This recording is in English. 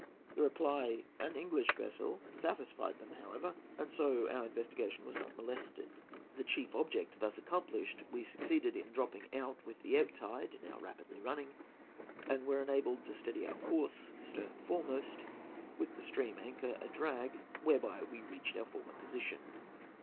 The reply, 'An English vessel,' satisfied them, however, and so our investigation was not molested. The chief object thus accomplished, we succeeded in dropping out with the ebb tide, now rapidly running, and were enabled to steady our course stern foremost with the stream anchor adrag, whereby we reached our former position."